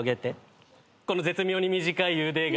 この絶妙に短い腕が。